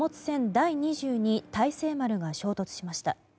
「第２２大成丸」が衝突しました。